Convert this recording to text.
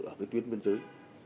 ở cái tuyến bên dưới